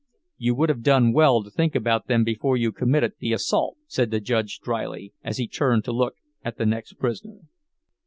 "You would have done well to think about them before you committed the assault," said the judge dryly, as he turned to look at the next prisoner.